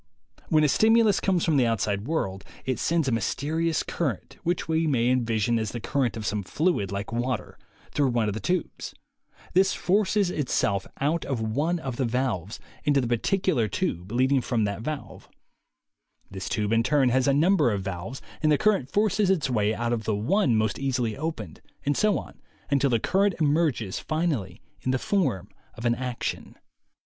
When a stimulus comes from the outside world, it sends a mysterious current, which we may envisage as the current of some fluid, like water, through one of the tubes; this forces itself out of one of the 71. THE WAY TO WILL POWER 75 valves into the particular tube leading from that valve; this tube in turn has a number of valves, and the current forces its way out of the one most easily opened, and so on, until the current emerges finally in the form of an action.